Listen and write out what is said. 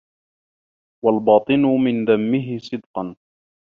وَالْبَاطِنُ مِنْ ذَمِّهِ صِدْقًا